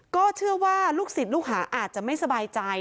ก็เชื่อว่าลูกศิษย์ลูกหาอาจจะไม่สบายใจ